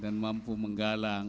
dan mampu menggalang